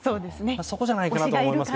そこじゃないかなと思います。